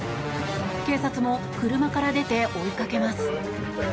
警察も車から出て追いかけます。